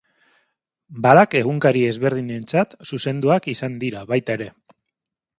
Balak egunkari ezberdinentzat zuzenduak izan dira baita ere.